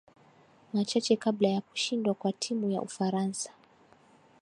Machache kabla ya kushindwa kwa timu ya Ufaransa